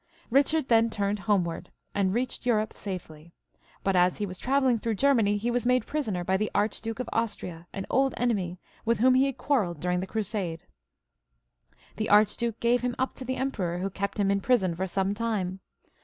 Bichard then turned homewards, and reached Europe safely ; but as he was travelling through Germany he was made prisoner by the Archduke of Austria, an old enemy with whom he had quarrelled during the Crusade. The Archduke gave him up to the Emperor, who kept him in prison for some time.